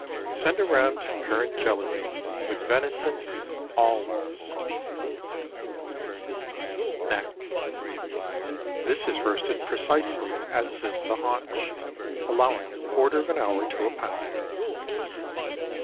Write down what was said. Send around currant jelly with venison always. NECK. This is roasted precisely as is the haunch, allowing a quarter of an hour to a pound.